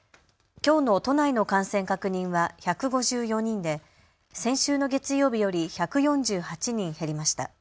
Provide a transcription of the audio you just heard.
きょうの都内の感染確認は１５４人で先週の月曜日より１４８人減りました。